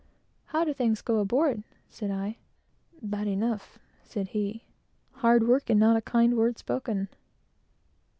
"How do things go aboard?" said I. "Bad enough," said he; "hard work and not a kind word spoken."